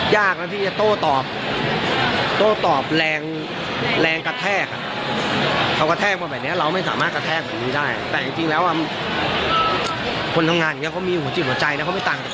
ถ้าคุณไม่ได้ให้เกียรติเขาแล้วคุณจะให้เขามาให้เกียรติไม่มี